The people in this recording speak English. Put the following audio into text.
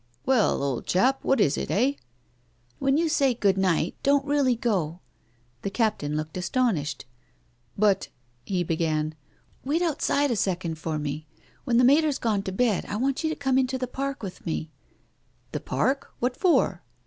" "Well, old chap, what is it, eh?" " When you say * good night,* don't really go." The Captain looked astonished. " But " he began. "Wait outside a second for me. When the Mater's gone to bed I want you to come into the Park with me." "The Park? What for?